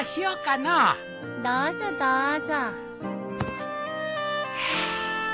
どうぞどうぞ。